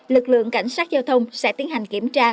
lực lượng cảnh sát giao thông sẽ tiến hành kiểm tra